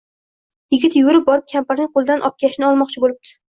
Yigit yugurib borib kampirning qo‘lidan obkashni olmoqchi bo‘libdi.